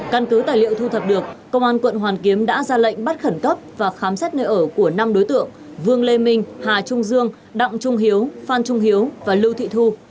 căn cứ tài liệu thu thập được công an quận hoàn kiếm đã ra lệnh bắt khẩn cấp và khám xét nơi ở của năm đối tượng vương lê minh hà trung dương đặng trung hiếu phan trung hiếu và lưu thị thu